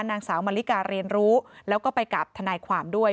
นางสาวมาริกาเรียนรู้แล้วก็ไปกับทนายความด้วย